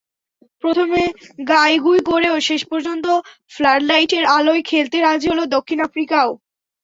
প্রথমে গাঁইগুঁই করেও শেষ পর্যন্ত ফ্লাডলাইটের আলোয় খেলতে রাজি হলো দক্ষিণ আফ্রিকাও।